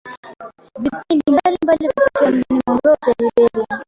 vipindi mbalimbali kutokea mjini Monrovia, Liberia